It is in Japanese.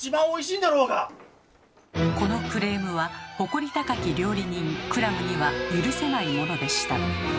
このクレームは誇り高き料理人クラムには許せないものでした。